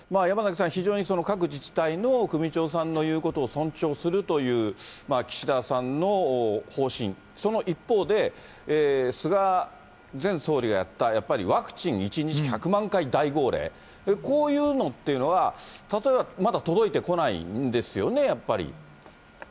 山崎さん、非常に各自治体の首長さんの言うことを尊重するという岸田さんの方針、その一方で、菅前総理がやった、やっぱりワクチン１日１００万回大号令、こういうのっていうのは、例えば、まだ届いてこないんですよね、やっぱり。